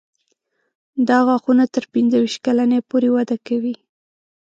دا غاښونه تر پنځه ویشت کلنۍ پورې وده کوي.